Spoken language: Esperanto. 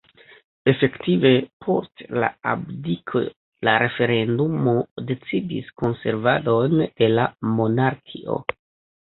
Efektive post la abdiko la referendumo decidis konservadon de la monarkio.